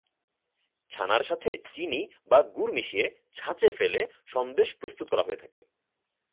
ছানার সাথে চিনি বা গুড় মিশিয়ে ছাঁচে ফেলে সন্দেশ প্রস্তুত করা হয়ে থাকে।